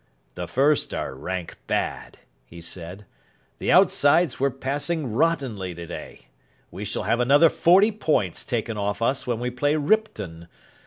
"The First are rank bad," he said. "The outsides were passing rottenly today. We shall have another forty points taken off us when we play Ripton.